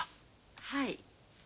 はい。